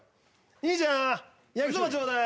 兄ちゃん焼きそばちょうだい。